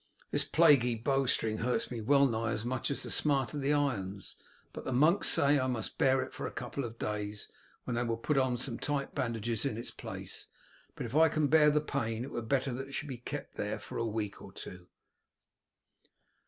This plaguey bowstring hurts me well nigh as much as the smart of the irons; but the monks say I must bear it for a couple of days, when they will put on some tight bandages in its place, but if I can bear the pain it were better that it should be kept there for a week or two."